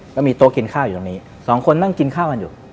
ก็มีโต๊ะกินข้าวอยู่ตรงนี้สองคนนั่งกินข้าวกันอยู่